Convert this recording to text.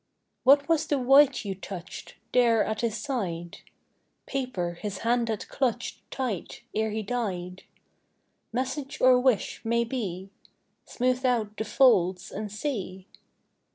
What was the white you touched, There at his side? Paper his hand had clutched Tight ere he died; Message or wish, may be: Smooth out the folds and see.